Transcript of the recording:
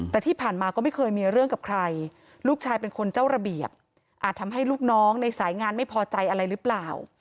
แต่ที่ผ่านมาก็ไม่เคยมีเรื่องกับใครลูกชายเป็นคนเจ้าระเบียบอาจทำให้ลูกน้องในสายงานไม่พอใจอะไรหรือเปล่า